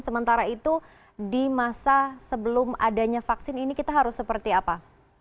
sementara itu di masa sebelum adanya vaksin ini kita harus seperti apa